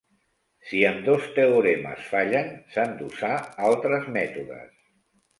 Si ambdós teoremes fallen, s'han d'usar altres mètodes.